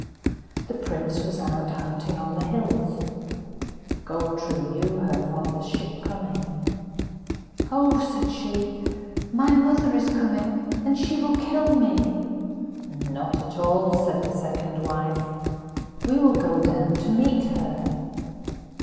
The prince was out hunting on the hills. Gold tree knew her father's ship coming. "Oh!" said she, "my mother is coming, and she will kill me." "Not at all," said the second wife; "we will go down to meet her."